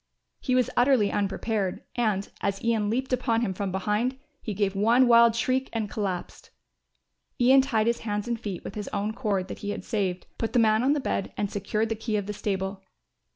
He was utterly unprepared and, as Ian leaped upon him from behind, he gave one wild shriek and collapsed. Ian tied his hands and feet with his own cord that he had saved, put the man on the bed and secured the key of the stable.